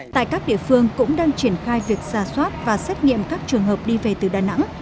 tại các địa phương cũng đang triển khai việc ra soát và xét nghiệm các trường hợp đi về từ đà nẵng